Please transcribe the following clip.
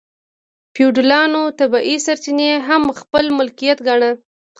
فیوډالانو طبیعي سرچینې هم خپل ملکیت ګاڼه.